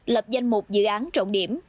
lập danh một dự án trọng điểm